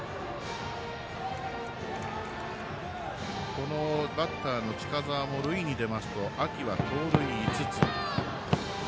このバッターの近澤も塁に出ますと秋は盗塁５つ。